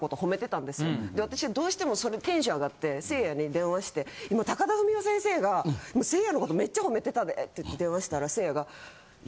私はどうしてもそれテンション上がってせいやに電話して今高田文夫先生がせいやのことめっちゃ褒めてたでって言って電話したらせいやがいや。